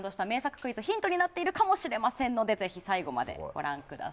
クイズヒントになっているかもしれませんので最後までご覧ください。